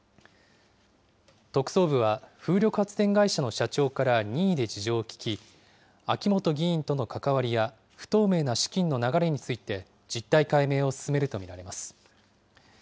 特捜部は風力発電会社の社長から任意で事情を聴き、秋本議員との関わりや、不透明な資金の流れについて実態解明を進めると見られます。